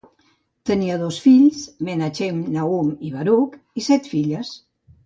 Tenia dos fills, Menachem Nahum i Baruch, i set filles.